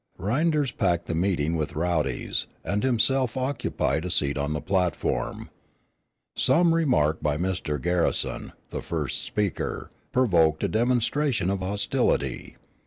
Rynders packed the meeting with rowdies, and himself occupied a seat on the platform. Some remark by Mr. Garrison, the first speaker, provoked a demonstration of hostility.